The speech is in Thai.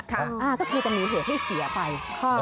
ก็คือจะมีเหตุให้เสียไป